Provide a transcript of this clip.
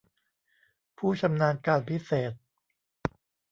ผู้ชำนาญการพิเศษ